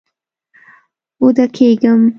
اوده کیږم